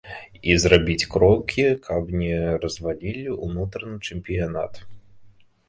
І зрабіць крокі, каб не развалілі ўнутраны чэмпіянат.